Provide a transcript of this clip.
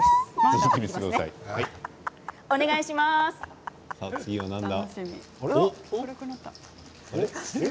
は次は何だ？？